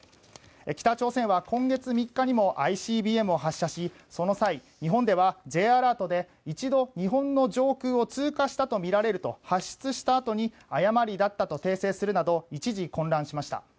北朝鮮は今月３日にもＩＣＢＭを発射しその際、日本ではＪアラートで一度、日本の上空を通過したとみられると発出したあとに誤りだったと訂正するなど一時、混乱しました。